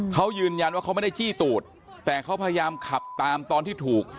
เขายืนยันว่าเขาไม่ได้จี้ตูดแต่เขาพยายามขับตามตอนที่ถูก